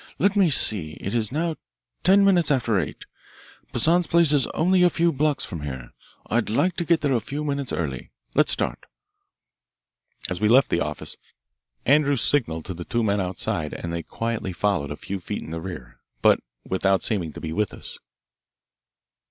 Let me see; it is now ten minutes after eight. Poissan's place is only a few blocks from here. I'd like to get there a few minutes early. Let's start." As we left the office, Andrews signalled to the two men outside, and they quietly followed a few feet in the rear, but without seeming to be with us.